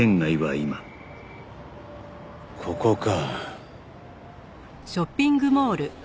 ここか。